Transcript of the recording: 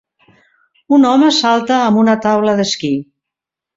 Un home salta amb una taula d'esquí.